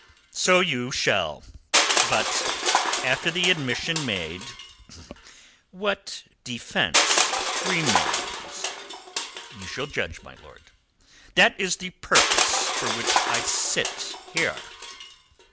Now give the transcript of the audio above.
"So you shall. But after the admission made, what defence remains?" "You shall judge, my lord." "That is the purpose for which I sit here."